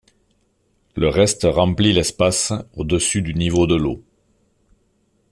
Le reste remplit l'espace au-dessus du niveau de l'eau.